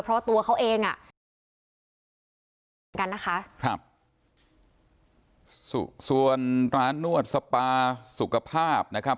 เพราะว่าตัวเขาเองอ่ะก็เหมือนกันนะคะครับส่วนร้านนวดสปาสุขภาพนะครับ